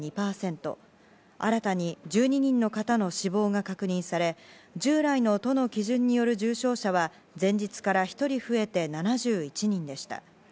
新たに１２人の方の死亡が確認され従来の都の基準による重症者は前日から１人増えて７１人でした。